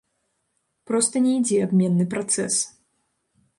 Проста не ідзе абменны працэс.